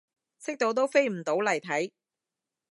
識到都飛唔到嚟睇